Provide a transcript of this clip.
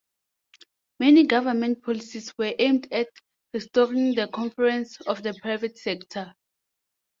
Many government policies were aimed at restoring the confidence of the private sector.